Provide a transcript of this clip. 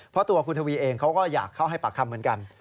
เพราะตัวคุณทวีเองเขาก็อยากเข้าให้ปากคำเหมือนกัน